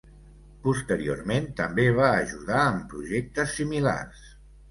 Posteriorment també va ajudar en projectes similars.